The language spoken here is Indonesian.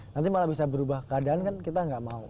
nanti malah bisa berubah keadaan kan kita nggak mau